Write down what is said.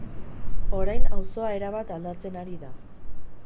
Orain auzoa erabat aldatzen ari da.